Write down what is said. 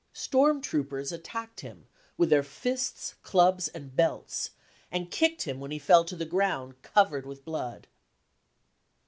Storm troupers attacked him with their fists, clubs and belts, and kicked him when he fell to the ground, covered with blood.